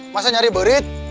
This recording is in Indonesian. masa nyari berit